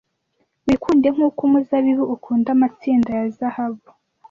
wikunde nkuko umuzabibu ukunda amatsinda ya zahabu